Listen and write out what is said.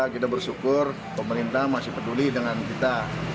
kita bersyukur pemerintah masih peduli dengan kita